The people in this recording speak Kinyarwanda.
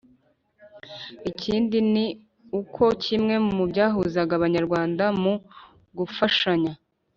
Ikindi ni uko kimwe mu byahuzaga Abanyarwanda mu gufashanya,